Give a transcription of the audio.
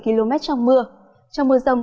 trong mưa rông có thể có mưa rông